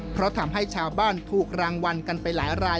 เพราะทำให้ชาวบ้านถูกรางวัลกันไปหลายราย